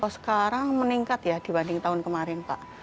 sekarang meningkat dibanding tahun kemarin